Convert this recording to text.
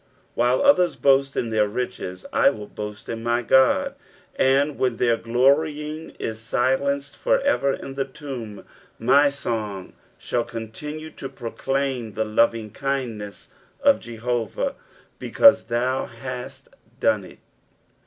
While others boast in their riches I will boast in my God ; and when their glorying in silenced for ever in the tomb, my song shall continue to proclaim the loving kindnessof Jehovah, "Beeauie thou ImU done it."